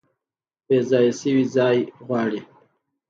بیځایه شوي ځای غواړي